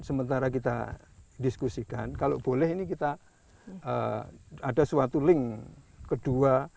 sementara kita diskusikan kalau boleh ini kita ada suatu link kedua